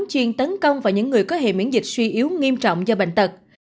chiên tấn công vào những người có hệ miễn dịch suy yếu nghiêm trọng do bệnh tật